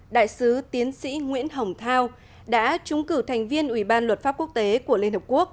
đại sứ tiến sĩ nguyễn hồng thao đã trúng cử thành viên ủy ban luật pháp quốc tế của liên hợp quốc